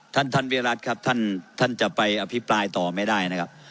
ท่านท่านวิรัติครับท่านจะไปอภิปรายต่อไม่ได้นะครับ